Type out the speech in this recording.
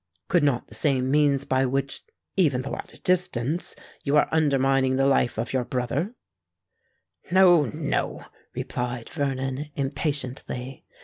"Could not the same means by which—even though at a distance—you are undermining the life of your brother——" "No—no," replied Vernon, impatiently.